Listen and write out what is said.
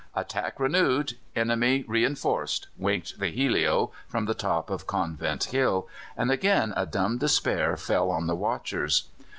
"Attack renewed; enemy reinforced," winked the helio from the top of Convent Hill, and again a dumb despair fell on the watchers.